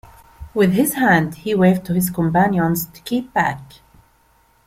With his hand he waved to his companions to keep back.